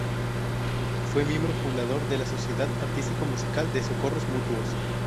Fue miembro fundador de la Sociedad Artístico-Musical de Socorros Mutuos.